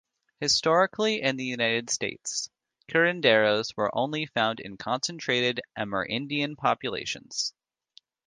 Historically, in the United States, curanderos were only found in concentrated Amerindian populations.